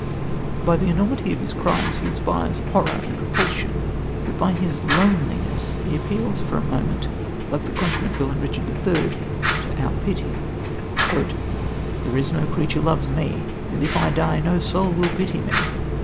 By the enormity of his crimes he inspires horror and repulsion, but by his loneliness he appeals, for a moment, like the consummate villain Richard III., to our pity: "There is no creature loves me And if I die, no soul will pity me.